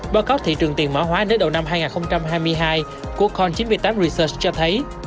báo cáo thị trường tiền mã hóa đến đầu năm hai nghìn hai mươi hai của con chín mươi tám reser cho thấy